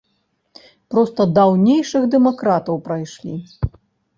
Проста даўнейшых дэмакратаў прайшлі.